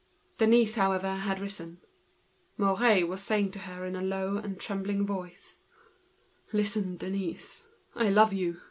Denise, however, had got up. Mouret was saying to her in a low and trembling voice: "Listen, Denise, I love you.